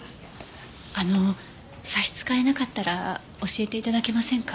あの差し支えなかったら教えて頂けませんか？